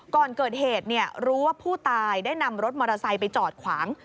ก่อนเกิดเหตุรู้ว่าผู้ตายได้นำรถมอเตอร์ไซค์ไปจอดขวาง